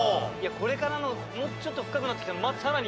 これからのもうちょっと深くなってきたらまた更に。